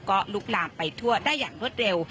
ก็ลุกลามไปทั่วได้อย่างรวดเร็ว